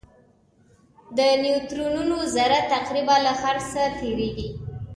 د نیوټرینو ذره تقریباً له هر څه تېرېږي.